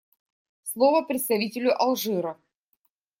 Слово представителю Алжира.